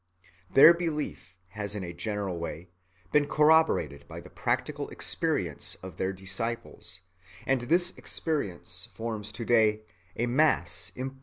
(44) Their belief has in a general way been corroborated by the practical experience of their disciples; and this experience forms to‐day a mass imposing in amount.